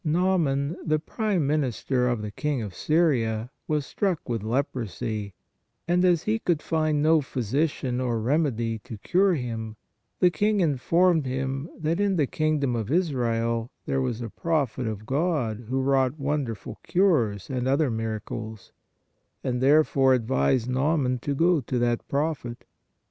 Naaman, the prime minister of the king of Syria, was struck with leprosy, and as he could find no physician or remedy to cure him, the king informed him that in the kingdom of Israel there was a prophet of God who wrought wonderful cures and other miracles, and therefore advised Naaman to go to that prophet.